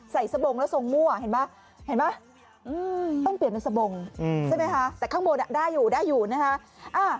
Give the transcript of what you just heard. สบงแล้วทรงมั่วเห็นไหมเห็นไหมต้องเปลี่ยนเป็นสบงใช่ไหมคะแต่ข้างบนได้อยู่ได้อยู่นะคะ